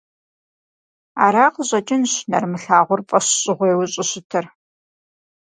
Ара къыщӀэкӀынщ нэрымылъагъур фӀэщщӀыгъуейуэ щӀыщытыр.